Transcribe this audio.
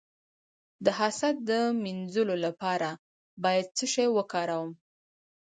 د حسد د مینځلو لپاره باید څه شی وکاروم؟